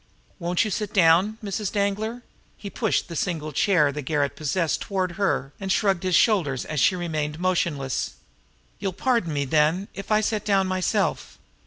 "Won't you sit down Mrs. Danglar?" He pushed the single chair the garret possessed toward her and shrugged his shoulders as she remained motionless. "You'll pardon me, then, if I sit down myself."